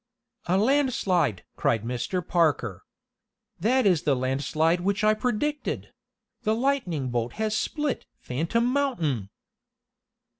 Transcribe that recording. "A landslide!" cried Mr. Parker. "That is the landslide which I predicted! The lightning bolt has split Phantom Mountain!"